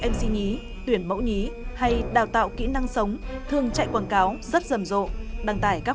mc nhí tuyển mẫu nhí hay đào tạo kỹ năng sống thường chạy quảng cáo rất rầm rộ đăng tải các